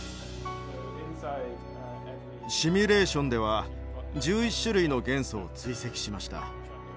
シミュレーションでは１１種類の元素を追跡しました。